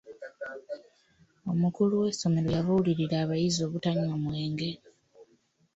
Omukulu w'essomero yabuulirira abayizi obutanywa mwenge.